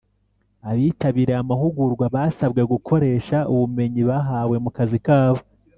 Abitabiriye amahugurwa basabwe gukoresha ubumenyi bahawe mu kazi kabo